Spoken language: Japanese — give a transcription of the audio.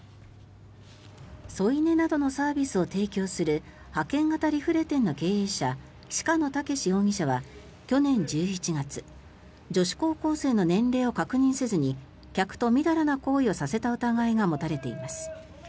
添い寝などのサービスを提供する派遣型リフレ店の経営者鹿野健容疑者は去年１１月、女子高校生の年齢を確認せずに客とみだらな行為をさせた疑いが持たれています。